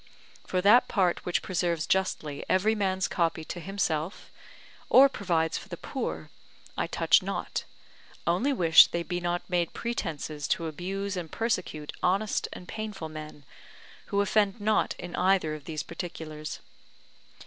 For that part which preserves justly every man's copy to himself, or provides for the poor, I touch not, only wish they be not made pretences to abuse and persecute honest and painful men, who offend not in either of these particulars.